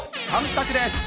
３択です。